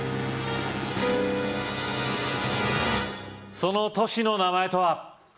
その都市の名前とは？